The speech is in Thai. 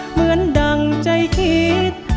เหมือนดั่งใจคิด